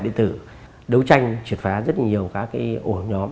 điện tử đấu tranh triệt phá rất nhiều các ổ nhóm